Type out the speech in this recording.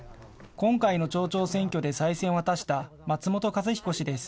今回の町長選挙で再選を果たした松本一彦氏です。